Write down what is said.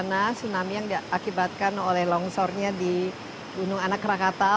tidak ada bencana tsunami yang diakibatkan oleh longsornya di gunung anak rangkata